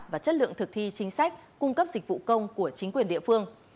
và chất lượng thực thi chính sách cung cấp dịch vụ công của chính quyền địa phương